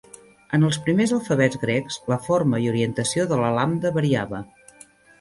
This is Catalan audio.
En els primers alfabets grecs, la forma i orientació de la lambda variava.